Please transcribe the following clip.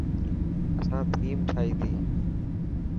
اسان ٿيم ٺائي تي.